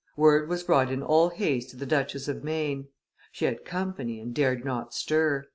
Word was brought in all haste to the Duchess of Maine. She had company, and dared not stir.